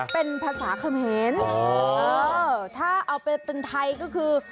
เป็นภาษาเขมรถ้าเอาไปเป็นไทยก็คือ